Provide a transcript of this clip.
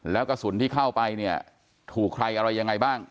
แล้วกระสุนที่เข้าไปเนี่ยถูกใครอะไรยังไงบ้าง